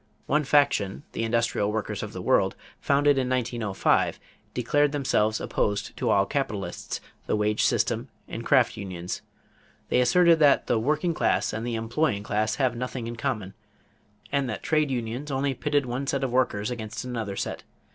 One faction, the Industrial Workers of the World, founded in 1905, declared themselves opposed to all capitalists, the wages system, and craft unions. They asserted that the "working class and the employing class have nothing in common" and that trade unions only pitted one set of workers against another set.